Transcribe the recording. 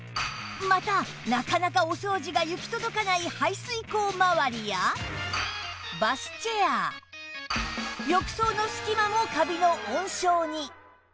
またなかなかお掃除が行き届かない排水口まわりやバスチェア浴槽の隙間もカビの温床に